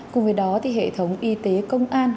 cùng với đó thì hệ thống y tế công an